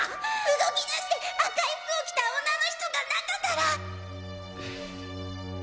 動き出して赤い服を着た女の人が中から。